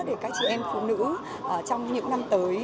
để các chị em phụ nữ trong những năm tới